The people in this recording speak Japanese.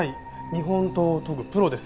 日本刀を研ぐプロです。